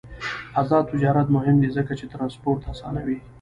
آزاد تجارت مهم دی ځکه چې ترانسپورت اسانوي.